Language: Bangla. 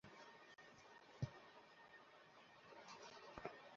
পত্রের বক্তব্য বুঝা মাত্রই হিংসা আর বিদ্বেষে মুসায়লামার বুক ফুলে উঠল।